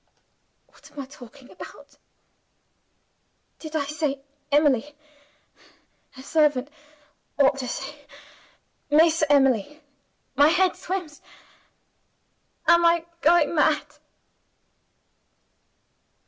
"What am I talking about? Did I say 'Emily'? A servant ought to say 'Miss Emily.' My head swims. Am I going mad?"